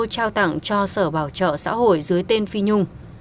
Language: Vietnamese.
trao tặng cho sở bảo trợ xã hội dưới tên phi nhung